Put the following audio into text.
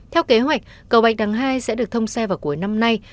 theo kế hoạch cầu bạch đằng hai sẽ được thông xe vào cuối năm nay